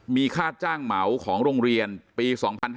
มีค่าจ้างเหมาของโรงเรียนปี๒๕๕๙